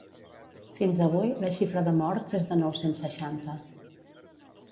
Fins avui, la xifra de morts és de nou-cents seixanta.